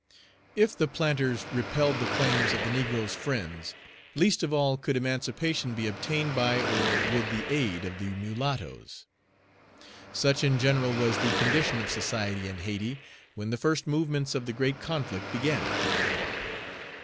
If the planters repelled the claims of the negroes' friends, least of all could emancipation be obtained by or with the aid of the mulattoes. Such in general was the condition of society in Hayti, when the first movements of the great conflict began.